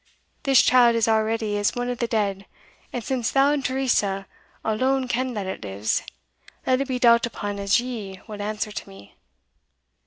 This child is already as one of the dead, and since thou and Teresa alone ken that it lives, let it be dealt upon as ye will answer to me!